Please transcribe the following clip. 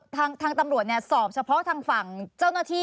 ทางตำรวจสอบเฉพาะพวกหน้าที่